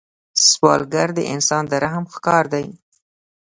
سوالګر د انسان د رحم ښکار دی